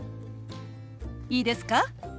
いいですか？